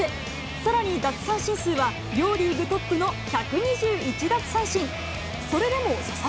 さらに奪三振数は両リーグトップの１２１奪三振。